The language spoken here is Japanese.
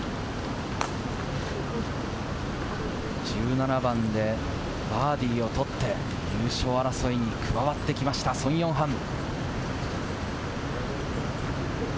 １７番でバーディーを取って、優勝争いに加わってきました、ソン・ヨンハン。